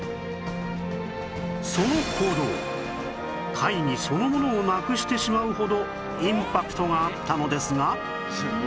その行動会議そのものをなくしてしまうほどインパクトがあったのですが